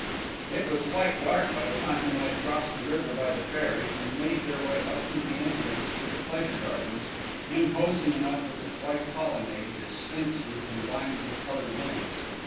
It was quite dark by the time they had crossed the river by the ferry, and made their way up to the entrance to the pleasure gardens, imposing enough, with its white colonnade, its sphinxes, and lines of coloured lamps.